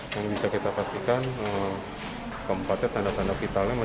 yang bisa kita pastikan keempatnya tanda tanda vitalnya